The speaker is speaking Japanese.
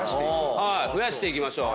増やしていきましょう。